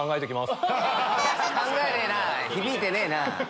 考えねえな響いてねえな。